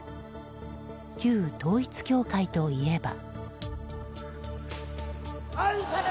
旧統一教会といえば。